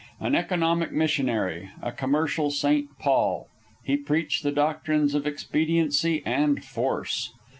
An economic missionary, a commercial St. Paul, he preached the doctrines of expediency and force.